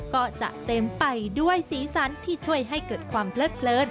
ก็จะเต็มไปด้วยสีสันที่ช่วยให้เกิดความเพลิด